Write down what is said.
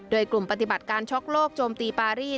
โดยกลุ่มปฏิบัติการช็อกโลกโจมตีปารีส